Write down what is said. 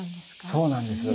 そうなんです。